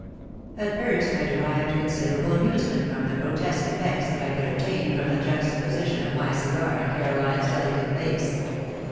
At first I derived considerable amusement from the grotesque effects that I could obtain from the juxtaposition of my cigar and Caroline's delicate face.